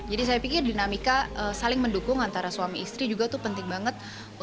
jadi saya pikir dinamika saling mendukung antara suami istri juga tuh penting banget